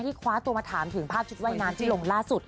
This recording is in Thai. คว้าตัวมาถามถึงภาพชุดว่ายน้ำที่ลงล่าสุด